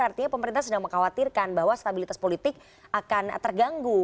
artinya pemerintah sedang mengkhawatirkan bahwa stabilitas politik akan terganggu